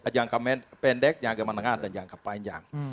jangka pendek jangka menengah dan jangka panjang